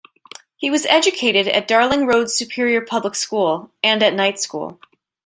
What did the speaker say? He was educated at Darling Road Superior Public School and at night school.